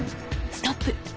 ストップ！